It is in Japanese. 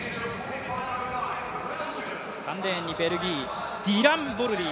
３レーンにベルギー、ディラン・ボルリー。